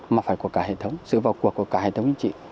mà phải của cả hệ thống sự vào cuộc của cả hệ thống chính trị